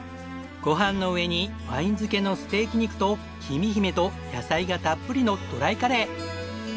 ご飯の上にワイン漬けのステーキ肉ときみひめと野菜がたっぷりのドライカレー。